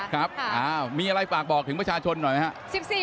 ครับมีอะไรฝากบอกถึงประชาชนหน่อยไหมครับ